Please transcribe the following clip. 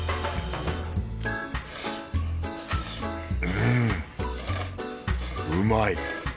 うんうまい。